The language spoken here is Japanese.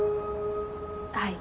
はい。